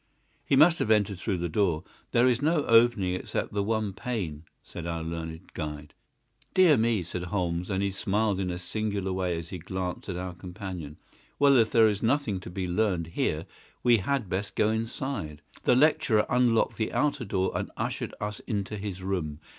"He must have entered through the door. There is no opening except the one pane," said our learned guide. "Dear me!" said Holmes, and he smiled in a singular way as he glanced at our companion. "Well, if there is nothing to be learned here we had best go inside." The lecturer unlocked the outer door and ushered us into his room.